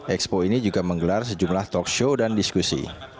expo ini juga menggelar sejumlah talk show dan diskusi